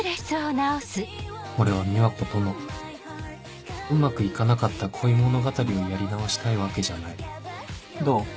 俺は美和子とのうまくいかなかった恋物語をやり直したいわけじゃないどう？